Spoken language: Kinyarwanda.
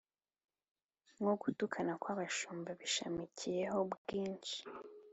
nko gutukana kw'abashumba: bishamikiye ho bwinshi,